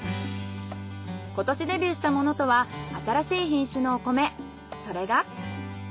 今年デビューしたものとは新しい品種のお米それが。